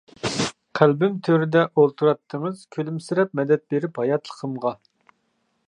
قەلبىم تۆرىدە ئولتۇراتتىڭىز كۈلۈمسىرەپ مەدەت بېرىپ ھاياتلىقىمغا.